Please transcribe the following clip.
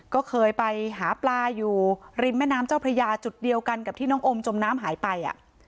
ก็เคยไปหาปลาอยู่ริมแม่น้ำเจ้าพระยาจุดเดียวกันกับที่น้องอมจมน้ำหายไป